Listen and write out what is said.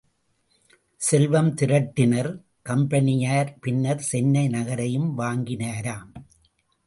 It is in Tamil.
செல்வம் திரட்டினர் கம்பெனியார் பின்னர் சென்னை நகரையும் வாங்கினராம்.